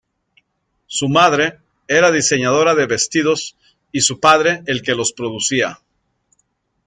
Su madre era diseñadora de vestidos y su padre, el que los producía.